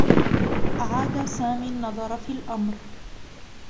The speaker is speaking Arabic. أعاد سامي النّظر في الأمر.